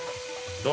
どう？